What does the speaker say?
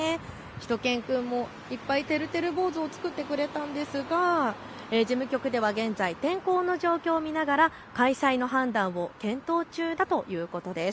しゅと犬くんもいっぱいてるてる坊主を作ってくれたんですが事務局では現在、天候の状況を見ながら開催の判断を検討中だということです。